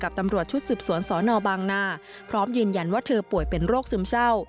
ตำรวจชุดสืบสวนสอนอบางนาพร้อมยืนยันว่าเธอป่วยเป็นโรคซึมเศร้า